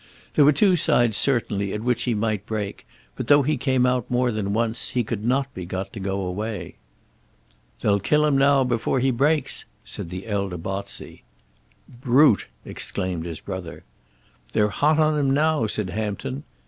There were two sides certainly at which he might break, but though he came out more than once he could not be got to go away. "They'll kill him now before he breaks," said the elder Botsey. "Brute!" exclaimed his brother. "They're hot on him now," said Hampton.